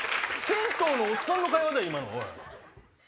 銭湯のおっさんの会話だ今の。